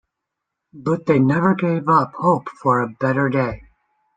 But they never gave up hope for a better day.